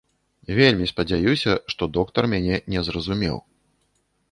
Вельмі спадзяюся, што доктар мяне не зразумеў.